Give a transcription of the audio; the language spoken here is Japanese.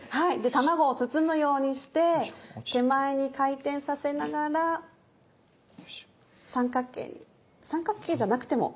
卵を包むようにして手前に回転させながら三角形に三角形じゃなくても。